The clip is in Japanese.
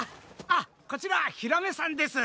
あっこちらヒラメさんです。